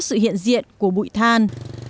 sự hiện diện của bụi than